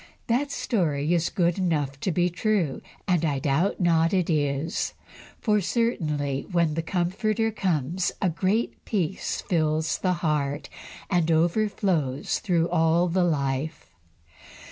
That story is good enough to be true, and I doubt not it is, for certainly when the Comforter comes a great peace fills the heart and overflows through all the life.